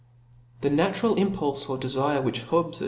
The natural impulfe or defire which Hobbes at?